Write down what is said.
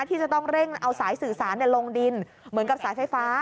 ที่จะต้องเร่งเอาสายสื่อสารลงดินเหมือนกับสายไฟฟ้า